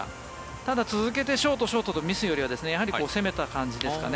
ただ続けてショートショートというミスよりは攻めたという感じですかね。